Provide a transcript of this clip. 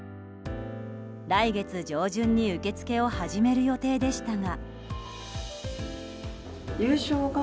来月上旬に受け付けを始める予定でしたが。